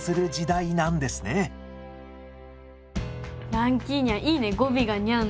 ランキーにゃんいいね語尾がニャンで。